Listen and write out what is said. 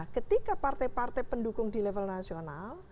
ketika partai partai pendukung di level nasional